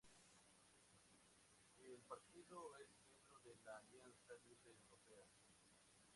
El partido es miembro de la Alianza Libre Europea.